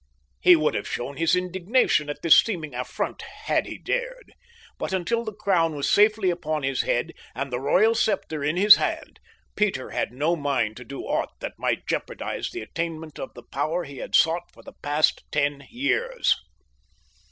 He would have shown his indignation at this seeming affront had he dared; but until the crown was safely upon his head and the royal scepter in his hand Peter had no mind to do aught that might jeopardize the attainment of the power he had sought for the past ten years.